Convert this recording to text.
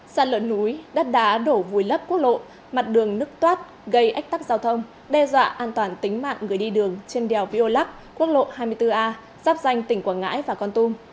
sạt lở núi đất đá đổ vùi lấp quốc lộ mặt đường nức toát gây ách tắc giao thông đe dọa an toàn tính mạng người đi đường trên đèo viô lắc quốc lộ hai mươi bốn a giáp danh tỉnh quảng ngãi và con tum